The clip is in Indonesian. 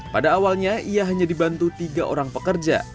pada awalnya ia hanya dibantu tiga orang pekerja